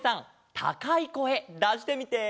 たかいこえだしてみて。